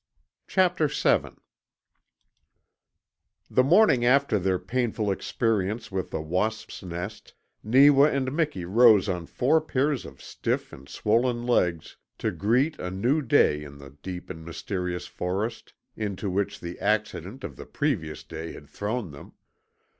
CHAPTER SEVEN The morning after their painful experience with the wasp's nest, Neewa and Miki rose on four pairs of stiff and swollen legs to greet a new day in the deep and mysterious forest into which the accident of the previous day had thrown them.